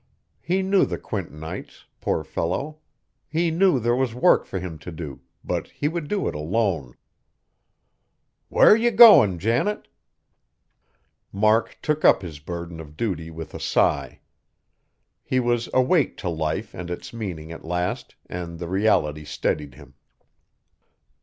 He knew the Quintonites, poor fellow! He knew there was work for him to do, but he would do it alone! "Whar you goin', Janet?" Mark took up his burden of duty with a sigh. He was awake to life and its meaning at last, and the reality steadied him.